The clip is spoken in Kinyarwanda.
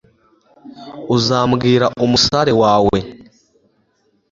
uzambwira, umusare, wawe